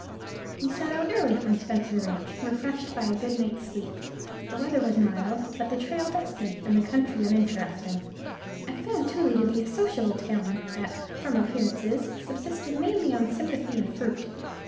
_ We set out early from Spencer ranch, refreshed by a good night's sleep. The weather was mild, but the trail dusty, and the country uninteresting. I found Tooele to be a sociable town that, from appearances, subsisted mainly on sympathy and fruit.